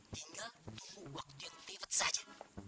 tinggal tunggu waktu yang ribet saja